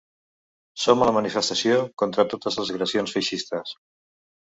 Som a la manifestació contra totes les agressions feixistes.